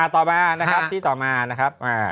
ต่อมาที่ต่อมา